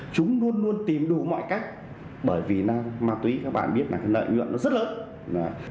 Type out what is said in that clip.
chúng luôn luôn tìm đủ mọi cách bởi vì ma túy các bạn biết là cái lợi nhuận nó rất lớn